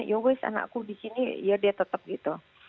ya wis anakku di sini ya dia tetap gitu